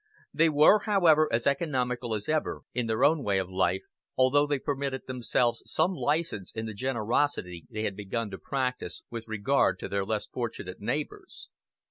They were, however, as economical as ever in their own way of life, although they permitted themselves some license in the generosity they had begun to practise with regard to their less fortunate neighbors.